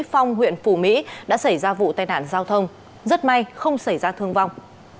phong huyện phù mỹ đã xảy ra vụ tai nạn giao thông rất may không xảy ra thương vong